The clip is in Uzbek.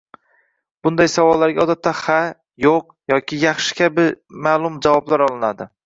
Bunday savollarga odatda “ha”, “yo‘q” yoki “yaxshi” kabi maʼlum javoblar olinadi.